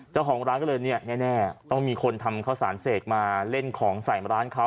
เจ้าของร้านก็เลยเนี่ยแน่ต้องมีคนทำข้าวสารเสกมาเล่นของใส่ร้านเขา